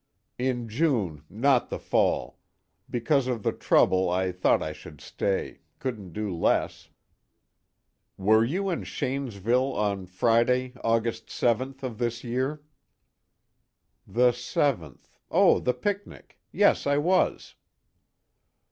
"In June, not the fall. Because of the trouble, I thought I should stay, couldn't do less." "Were you in Shanesville on Friday, August 7th of this year?" "The 7th oh, the picnic. Yes, I was."